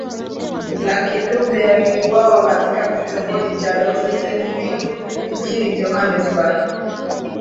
Lucky Dube aliuawa katika kitongoji cha Rosettenville mjini Johannesburg